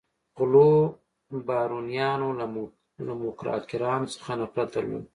غلو بارونیانو له موکراکرانو څخه نفرت درلود.